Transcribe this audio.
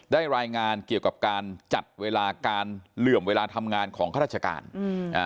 รายงานเกี่ยวกับการจัดเวลาการเหลื่อมเวลาทำงานของข้าราชการอืมอ่า